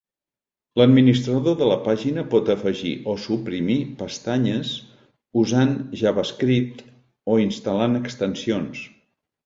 L"administrador de la pàgina pot afegir o suprimir pestanyes usant JavaScript o instal·lant extensions.